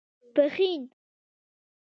پښين